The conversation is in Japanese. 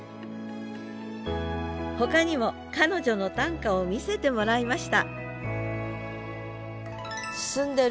ほかにも彼女の短歌を見せてもらいました